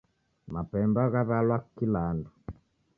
Mapemba ghaw'alwa kila andu